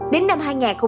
đến năm hai nghìn hai mươi